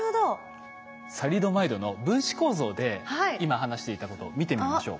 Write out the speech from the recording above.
サリドマイドの分子構造で今話していたことを見てみましょう。